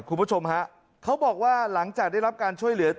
คุณผู้ชมฮะเขาบอกว่าหลังจากได้รับการช่วยเหลือ